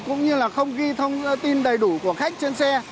cũng như là không ghi thông tin đầy đủ của khách trên xe